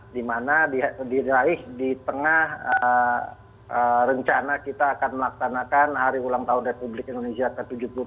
di mana diraih di tengah rencana kita akan melaksanakan hari ulang tahun republik indonesia ke tujuh puluh dua